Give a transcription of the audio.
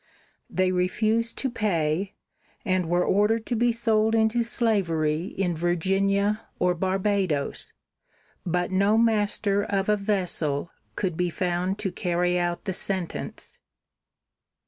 They refused to pay, and were ordered to be sold into slavery in Virginia or Barbadoes, but no master of a vessel could be found to carry out the sentence.